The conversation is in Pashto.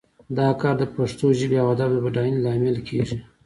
دا کار د پښتو ژبې او ادب د بډاینې لامل کیږي